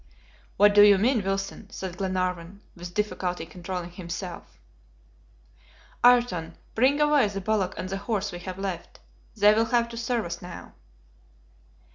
"What do you mean, Wilson?" said Glenarvan, with difficulty controlling himself. "Ayrton, bring away the bullock and the horse we have left; they will have to serve us now."